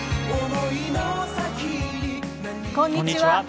こんにちは。